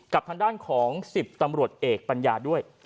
กับทางด้านของ๑๐ตำรวจเอกปัญญาด้วย